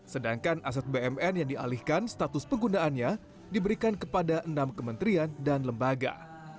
sedangkan aset bumn yang dialihkan status penggunaannya diberikan kepada enam kementerian dan lembaga